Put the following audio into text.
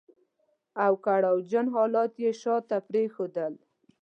او کړاو جن حالات يې شاته پرېښودل.